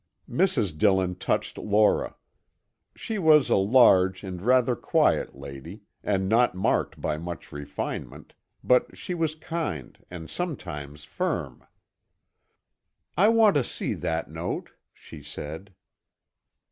Mrs. Dillon touched Laura. She was a large and rather quiet lady and not marked by much refinement, but she was kind and sometimes firm. "I want to see that note," she said.